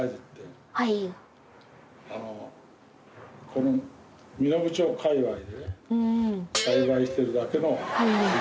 この身延町界隈で栽培してるだけの。